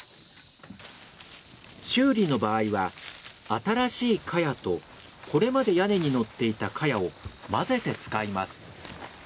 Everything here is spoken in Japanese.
修理の場合は新しいカヤとこれまで屋根にのっていたカヤを混ぜて使います。